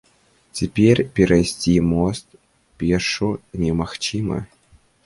Цяпер перайсці мост пешшу немагчыма.